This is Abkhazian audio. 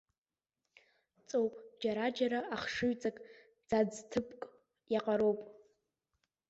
Ҵоуп, џьараџьара ахшыҩҵак ӡаӡҭыԥк иаҟароуп.